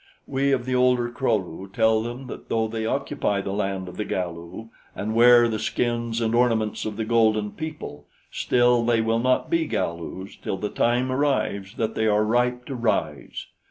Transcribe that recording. We of the older Kro lu tell them that though they occupy the land of the Galu and wear the skins and ornaments of the golden people, still they will not be Galus till the time arrives that they are ripe to rise.